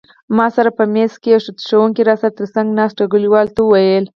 ما سر په مېز کېښود، ښوونکي را سره تر څنګ ناست ټولګیوال ته وویل.